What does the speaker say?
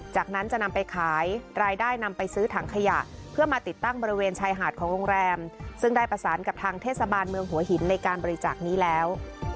จากนั้นจะนำไปขายรายได้นำไปซื้อถังขยะเพื่อมาติดตั้งบริเวณชายหาดของโรงแรมซึ่งได้ประสานกับทางเทศบาลเมืองหัวหินในการบริจาคนี้แล้ว